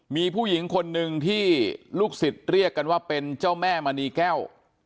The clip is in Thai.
มีผู้หญิงคนหนึ่งที่ลูกศิษย์เรียกกันว่าเป็นเจ้าแม่มณีแก้ว